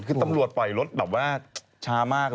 คือตำรวจปล่อยรถแบบว่าช้ามากเลย